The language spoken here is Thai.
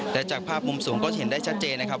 และจากภาพมุมสูงก็เห็นได้ชัดเจนนะครับ